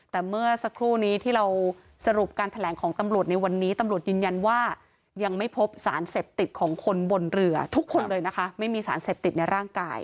แต่เมื่อสักครู่นี้ที่เราสรุปการแถลงของตำรวจในวันนี้ตำรวจยืนยันว่ายังไม่พบสารเสพติดของคนบนเรือทุกคนเลยนะคะไม่มีสารเสพติดในร่างกาย